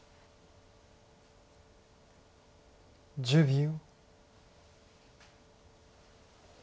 １０秒。